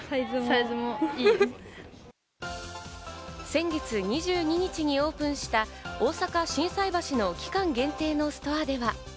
先月２２日にオープンした大阪・心斎橋の期間限定のストアでは。